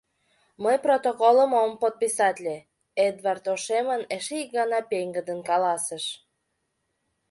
— Мый протоколым ом подписатле, — Эдвард, ошемын, эше ик гана пеҥгыдын каласыш.